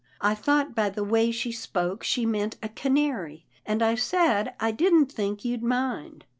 " I thought by the way she spoke she meant a canary, and I said I didn't think you'd mind.